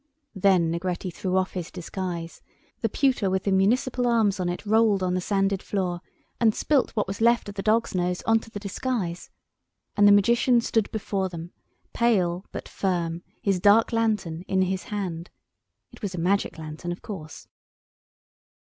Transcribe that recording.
Then Negretti threw off his disguise—the pewter with the municipal arms on it rolled on the sanded floor, and spilt what was left of the dog's nose on to the disguise—and the Magician stood before them, pale but firm, his dark lantern in his hand. It was a magic lantern, of course.